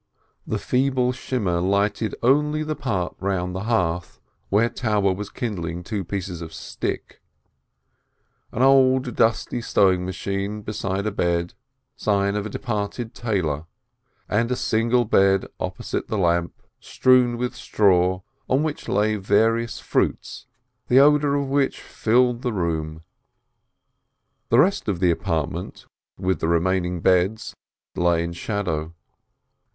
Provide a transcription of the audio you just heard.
The feeble shimmer lighted only the part round the hearth, where Taube was kindling two pieces of stick — an old dusty sewing machine beside a bed, sign of a departed tailor, and a single bed opposite the lamp, strewn with straw, on which lay various fruits, the odor of which filled the room. The rest of the apartment with the remaining beds lay in shadow.